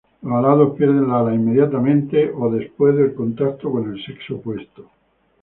Los alados pierden las alas inmediatamente o seguido del contacto con el sexo opuesto.